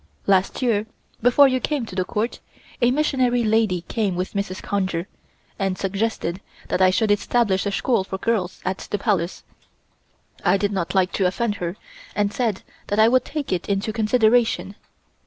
Last year, before you came to the Court, a missionary lady came with Mrs. Conger, and suggested that I should establish a school for girls at the Palace. I did not like to offend her, and said that I would take it into consideration.